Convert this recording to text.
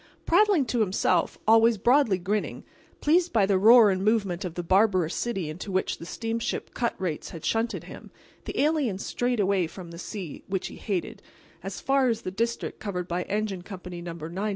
Prattling to himself, always broadly grinning, pleased by the roar and movement of the barbarous city into which the steamship cut rates had shunted him, the alien strayed away from the sea, which he hated, as far as the district covered by Engine Company No. 99.